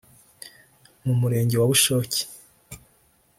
mu Murenge wa Bushoki